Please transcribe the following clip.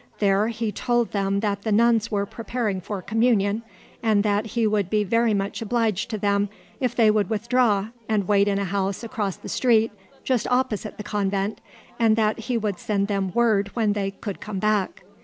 There he told them that the nuns were preparing for communion, and that he would be very much obliged to them if they would withdraw and wait in a house across the street, just opposite the convent, and that he would send them word when they could come back.